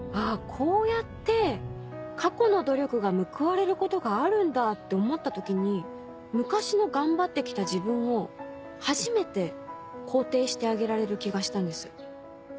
こうやって過去の努力が報われることがあるんだって思った時に昔の頑張って来た自分を初めて肯定してあげられる気がしたんです。